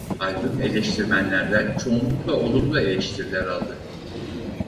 Albüm eleştirmenlerden çoğunlukla olumlu eleştiriler aldı.